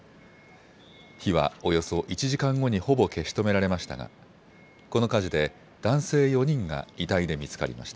火はおよそ１時間後にほぼ消し止められましたがこの火事で男性４人が遺体で見つかりました。